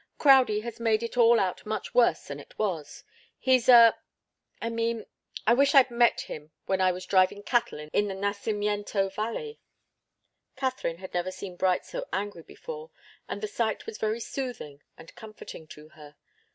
"Crowdie has made it all out much worse than it was. He's a I mean I wish I'd met him when I was driving cattle in the Nacimiento Valley!" Katharine had never seen Bright so angry before, and the sight was very soothing and comforting to her.